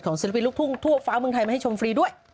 ของศิลปีลุกทั่วเฟ้าเมืองไทยมาให้ชมฟรีด้วย